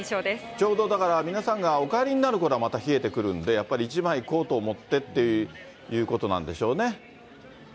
ちょうどだから、皆さんがお帰りになるころは冷えてくるんで、やっぱり一枚コートを持ってということなんでしょうね。